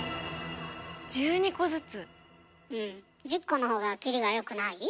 １０個のほうがきりがよくない？